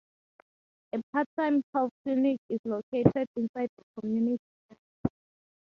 A part-time health clinic is located inside the community center.